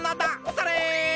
それ！